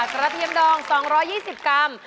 กระเทียมดอง๒๒๐กรัม